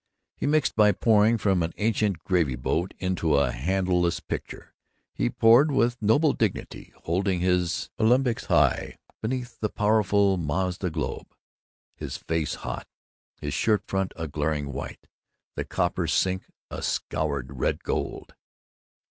He mixed by pouring from an ancient gravy boat into a handleless pitcher; he poured with a noble dignity, holding his alembics high beneath the powerful Mazda globe, his face hot, his shirt front a glaring white, the copper sink a scoured red gold.